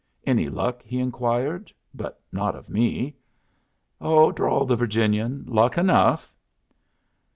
"Any luck?" he inquired, but not of me. "Oh," drawled the Virginian, "luck enough."